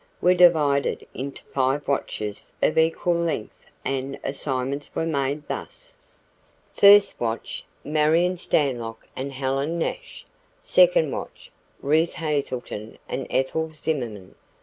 were divided into five watches of equal length and assignments were made thus: First watch: Marion Stanlock and Helen Nash. Second watch: Ruth Hazelton and Ethel Zimmerman.